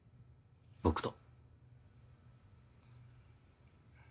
僕と。